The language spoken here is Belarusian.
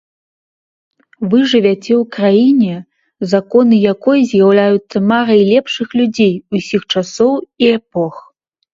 Вы жывяце ў краіне, законы якой з'яўляюцца марай лепшых людзей усіх часоў і эпох.